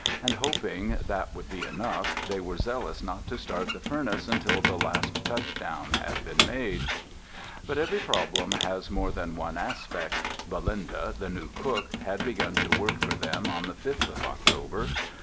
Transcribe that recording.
And hoping that would be enough, they were zealous not to start the furnace until the last touchdown had been made. But every problem has more than one aspect. Belinda, the new cook, had begun to work for them on the fifth of October.